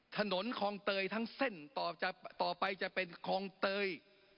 คลองเตยทั้งเส้นต่อไปจะเป็นคลองเตย